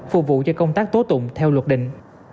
phục vụ cho công tác tố tụng theo luật định